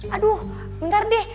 aduh bentar deh